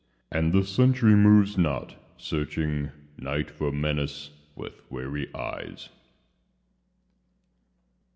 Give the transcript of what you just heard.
And the sentry moves not, searching Night for menace with weary eyes.